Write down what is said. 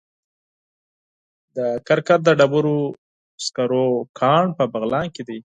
د کرکر د ډبرو سکرو کان په بغلان کې دی.